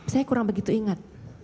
saya kurang begitu ingat